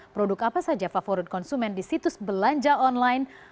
produk apa saja favorit konsumen di situs belanja online